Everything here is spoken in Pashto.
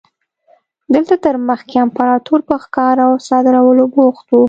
دلته تر مخکې امپراتور په ښکار او صادرولو بوخت و.